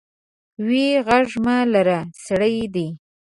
وې غږ مه لره سړي دي.